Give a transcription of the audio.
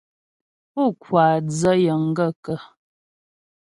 Pú ŋkwáa dzə́ yəŋ gaə̂kə̀ ?